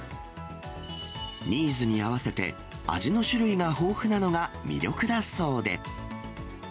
ニーズに合わせて、味の種類が豊富なのが魅力だそうで。